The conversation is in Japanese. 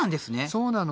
そうなの。